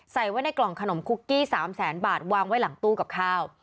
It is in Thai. ใส่ไว้ในกล่องขนมคุกกี้๓แสนบาทวางไว้หลังตู้กับข้าว